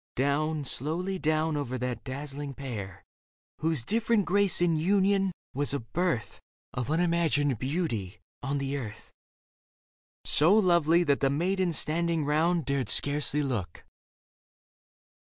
Down, slowly down over that dazzling pair, Whose different grace in union was a birth Of unimagined beauty on the earth : So lovely that the maidens standing round Dared scarcely look.